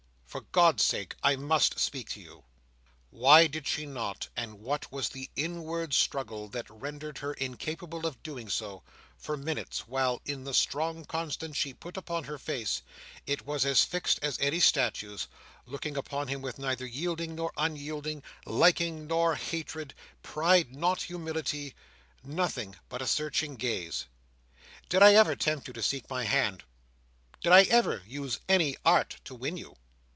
For God's sake! I must speak to you." Why did she not, and what was the inward struggle that rendered her incapable of doing so, for minutes, while, in the strong constraint she put upon her face, it was as fixed as any statue's—looking upon him with neither yielding nor unyielding, liking nor hatred, pride not humility: nothing but a searching gaze? "Did I ever tempt you to seek my hand? Did I ever use any art to win you?